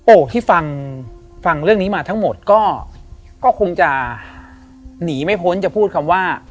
ที่ฟังฟังเรื่องนี้มาทั้งหมดก็คงจะหนีไม่พ้นจะพูดคำว่า